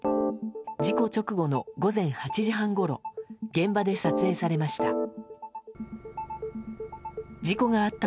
事故直後の午前８時半ごろ現場で撮影されました。